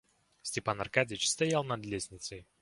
Степан Аркадьич стоял над лестницей.